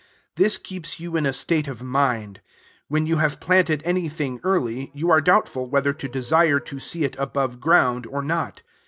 This keeps you in a state of mind. When you have planted anything early, you are doubtful whether to desire to see it above ground, or not.